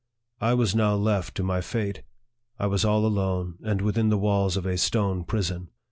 I was now left to my fate. I was all alone, and within the walls of a stone prison.